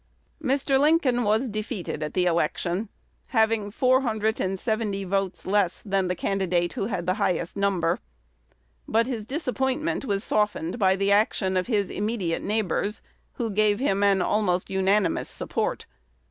Mr. Lincoln was defeated at the election, having four hundred and seventy votes less than the candidate who had the highest number. But his disappointment was softened by the action of his immediate neighbors, who gave him an almost unanimous support.